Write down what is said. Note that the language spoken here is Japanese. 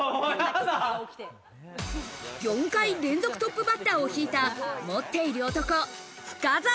４回連続トップバッターを引いた、持っている男・深澤。